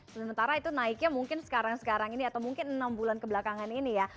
sementara itu naiknya mungkin sekarang sekarang ini atau mungkin enam bulan kebelakangan ini ya